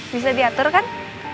bisa diatur kan